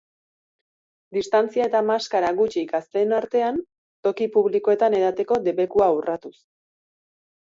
Distantzia eta maskara gutxi gazteen artean, toki publikoetan edateko debekua urratuz.